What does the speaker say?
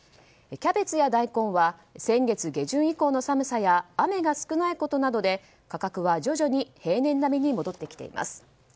キャベツや大根は先月下旬以降の寒さや雨が少ないことなどで価格は徐々に平年並みに戻ってきています。